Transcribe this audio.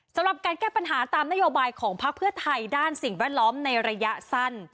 สำหรับการแก้ปัญหาตามนโยบายของพักเพื่อไทยด้านสิ่งแวดล้อมในระยะสั้น